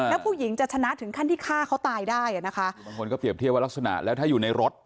แล้วผู้หญิงจะชนะถึงขั้นที่ฆ่าเขาตายได้อ่ะนะคะบางคนก็เรียบเทียบว่ารักษณะแล้วถ้าอยู่ในรถ